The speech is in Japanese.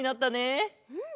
うん。